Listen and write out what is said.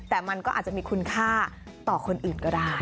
แต่มันก็อาจจะมีคุณค่าต่อคนอื่นก็ได้